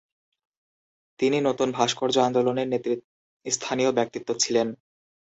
তিনি নতুন ভাস্কর্য আন্দোলনের নেতৃস্থানীয় ব্যক্তিত্ব ছিলেন।